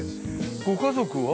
ご家族は？